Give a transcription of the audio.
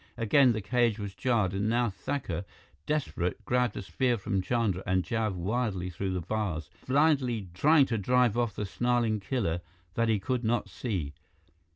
Again, the cage was jarred, and now Thakur, desperate, grabbed a spear from Chandra and jabbed wildly through the bars, blindly trying to drive off the snarling killer that he could not see.